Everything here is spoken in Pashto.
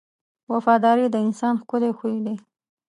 • وفاداري د انسان ښکلی خوی دی.